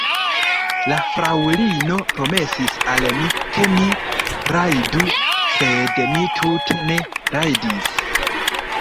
La fraŭlino promesis al mi, ke mi rajdu, sed mi tute ne rajdis.